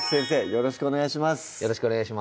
よろしくお願いします